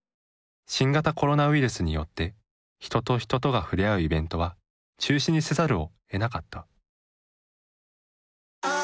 新型コロナウイルスによって人と人とが触れ合うイベントは中止にせざるをえなかった。